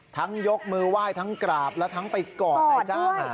ทั้งยกมือไหว้ทั้งกราบแล้วทั้งไปกอดในจ้าง